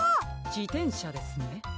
じてんしゃですね。